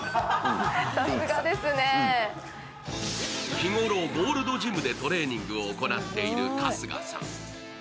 日頃ゴールドジムでトレーニングを行っている春日さん。